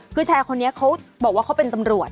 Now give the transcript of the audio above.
คือชายคนนี้เขาบอกว่าเขาเป็นตำรวจ